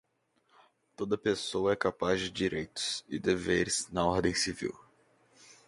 Toda pessoa é capaz de direitos e deveres na ordem civil.